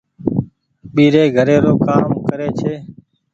ٻيري گهري رو ڪآم ڪري ڇي۔